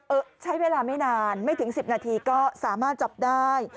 ใช้เวลาไม่นานไม่ถึง๑๐นาทีก็สามารถจับได้